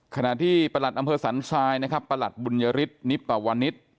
ขณะที่ประหลัดอำเภอสันทรายนะครับประหลัดบุญยฤทธนิปวนิษฐ์